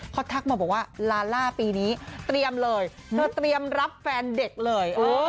เขาทักมาบอกว่าลาล่าปีนี้เตรียมเลยเธอเตรียมรับแฟนเด็กเลย